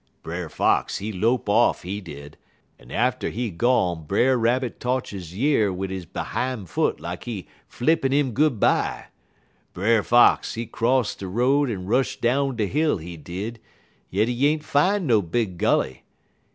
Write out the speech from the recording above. "Brer Fox, he lope off, he did, en atter he gone Brer Rabbit totch he year wid he behime foot lak he flippin' 'im good bye. Brer Fox, he cross de road en rush down de hill, he did, yit he ain't fin' no big gully.